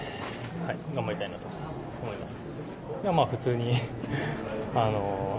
頑張りたいなと思います。